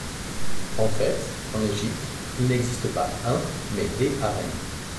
En fait, en Égypte, il n'existe pas un, mais des harems.